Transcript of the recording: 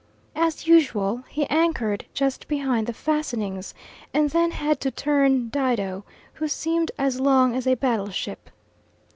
As usual, he anchored just beyond the fastenings, and then had to turn Dido, who seemed as long as a battleship.